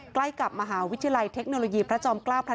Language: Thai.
ใกล้กับมหาวิทยาลัยเทคโนโลยีพระจอมเกล้าพระ